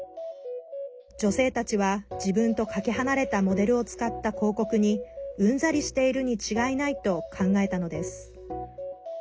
女性たちは自分とかけ離れたモデルを使った広告にうんざりしているに違いないと考えたのです。